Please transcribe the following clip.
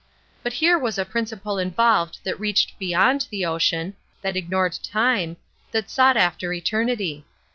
But here was a principle involved that reached beyond the ocean, that ignored time, that sought after eternity.